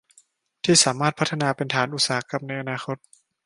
ที่สามารถพัฒนาเป็นฐานอุตสาหกรรมในอนาคต